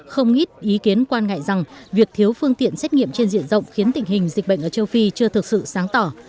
không ít ý kiến quan ngại rằng việc thiếu phương tiện xét nghiệm trên diện rộng khiến tình hình dịch bệnh ở châu phi chưa thực sự sáng tỏ